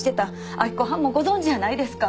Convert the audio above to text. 明子はんもご存じやないですか。